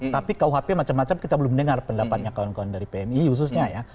tapi kuhp macam macam kita belum dengar pendapatnya kawan kawan dari pmi khususnya ya